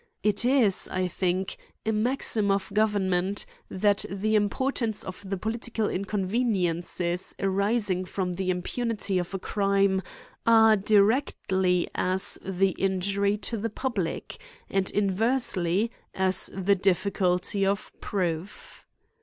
It is, I think, a maxim of government, that the importance of the political inconveniencies arising from the impunity of a crime, are directly as the injury to the public, and inversely as the difficulty of proof.